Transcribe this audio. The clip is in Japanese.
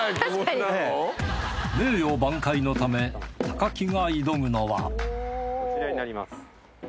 名誉挽回のため木が挑むのはこちらになります。